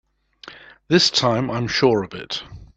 This time I'm sure of it!